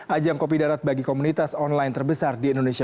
ajang kopi darat bagi komunitas online terbesar di indonesia